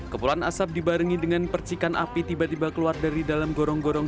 kepulan asap dibarengi dengan percikan api tiba tiba keluar dari dalam gorong gorong